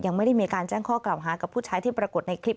ยังไม่ได้มีการแจ้งข้อกล่าวหากับผู้ชายที่ปรากฏในคลิป